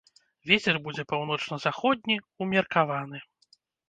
Вецер будзе паўночна-заходні, умеркаваны.